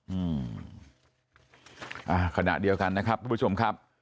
อืมอ่าขณะเดียวกันนะครับทุกผู้ชมครับ